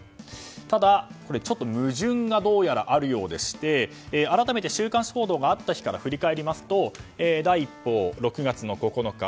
ただ、ちょっと矛盾があるようでして改めて週刊誌報道があった日から振り返りますと第一報、６月の９日。